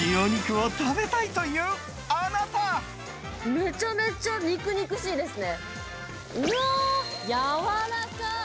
めちゃめちゃ肉々しいですね。